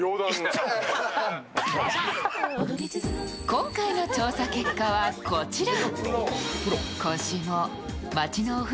今回の調査結果はこちら。